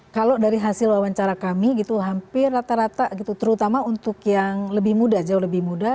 kalau dari hasil wawancara kami gitu hampir rata rata gitu terutama untuk yang lebih muda jauh lebih muda